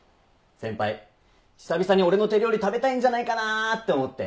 先輩久々に俺の手料理食べたいんじゃないかなって思って。